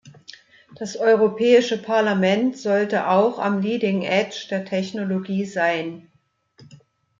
Das Europäische Parlament sollte auch am leading edge der Technologie sein.